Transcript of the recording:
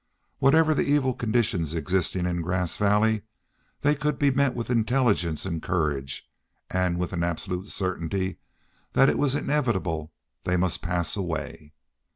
Whatever the evil conditions existing in Grass Valley, they could be met with intelligence and courage, with an absolute certainty that it was inevitable they must pass away.